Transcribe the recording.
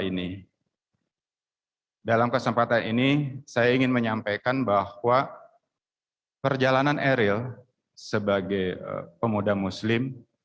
ini dalam kesempatan ini saya ingin menyampaikan bahwa perjalanan eril sebagai pemuda muslim